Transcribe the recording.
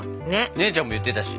姉ちゃんも言ってたし。